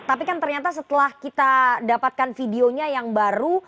tapi kan ternyata setelah kita dapatkan videonya yang baru